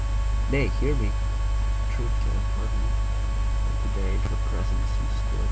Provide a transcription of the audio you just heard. Nay, hear me ! The truth cannot harm you. When to day in her presence you stood.